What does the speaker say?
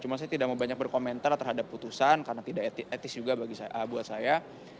cuma saya tidak mau banyak berkomentar terhadap putusan karena tidak etis juga buat saya